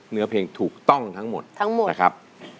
เนื้อเพลงถูกต้องทั้งหมดทั้งหมดนะครับ